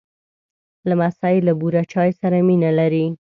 لمسی له بوره چای سره مینه لري.